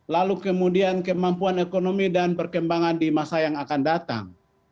lalu kemudian kemampuan ekonomi dan perkembangan di masa yang akan datang